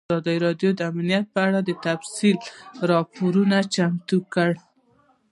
ازادي راډیو د امنیت په اړه تفصیلي راپور چمتو کړی.